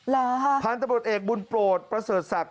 ล่ะฮะพันธ์ตำรวจเอกบุญโปรดประเสริฐศักดิ์